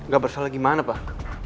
gak bersalah gimana pak